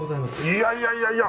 いやいやいやいや。